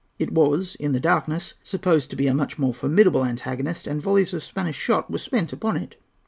It was, in the darkness, supposed to be a much more formidable antagonist, and volleys of Spanish shot were spent upon it.